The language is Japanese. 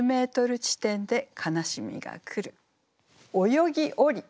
「泳ぎおり」